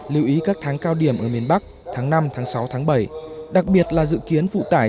lưu ý các tháng cao điểm ở miền bắc tháng năm tháng sáu tháng bảy đặc biệt là dự kiến phụ tải